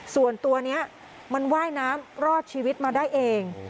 ส่วนตัวนี้มันว่ายน้ำรอดชีวิตมาได้เอง